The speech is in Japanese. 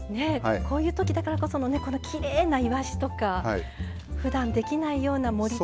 こういう時だからこそのこのきれいないわしとかふだんできないような盛りつけを。